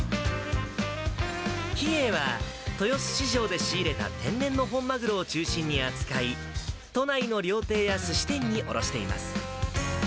樋栄は豊洲市場で仕入れた天然の本マグロを中心に扱い、都内の料亭やすし店に卸しています。